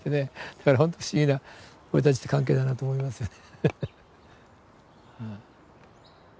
だからほんと不思議な俺たちって関係だなと思いますよね。